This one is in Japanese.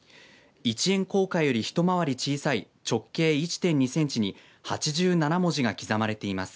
１円硬貨よりひと回り小さい直径１．２センチに８７文字が刻まれています。